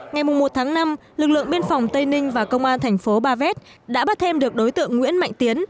ngày một tháng năm lực lượng biên phòng tây ninh và công an thành phố ba vét đã bắt thêm được đối tượng nguyễn mạnh tiến